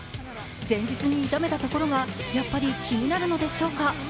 前日に痛めたところがやっぱり気になるのでしょうか。